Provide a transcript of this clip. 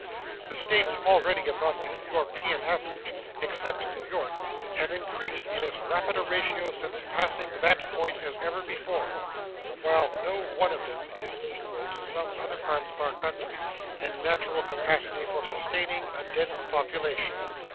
The States already above the European average, except New York, have increased in as rapid a ratio since passing that point as ever before, while no one of them is equal to some other parts of our country in natural capacity for sustaining a dense population.